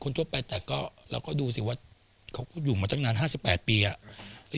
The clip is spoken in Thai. คนทั่วไปแต่ก็เราก็ดูสิว่าเขาอยู่มาจากนั้น๕๘ปีอ่ะ